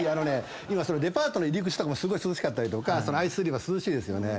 今デパートの入り口とかもすごい涼しかったりとかアイス売り場涼しいですよね。